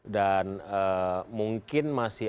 dan mungkin masih